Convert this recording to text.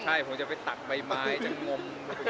ใช่ผมจะไปตักใบไม้จะงม